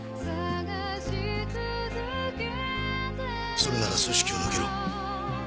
それなら組織を抜けろ。